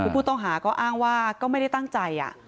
คือผู้ต้องหาก็อ้างว่าก็ไม่ได้ตั้งใจ